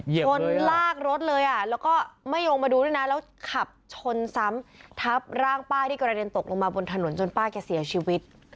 ชนลากรถเลยอ่ะแล้วก็ไม่ลงมาดูด้วยนะแล้วขับชนซ้ำทับร่างป้าที่กระเด็นตกลงมาบนถนนจนป้าแกเสียชีวิต